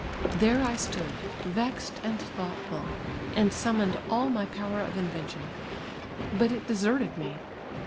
There I stood, ve.xed and thoui^htful, and sum moned all my power of invention ; but it deserted me